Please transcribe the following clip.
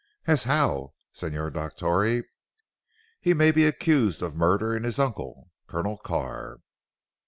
"As how Signor Dottore?" "He may be accused of murdering his uncle, Colonel Carr!"